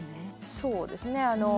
そうですね。